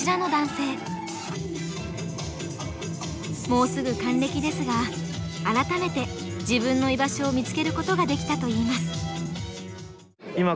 もうすぐ還暦ですが改めて自分の居場所を見つけることができたといいます。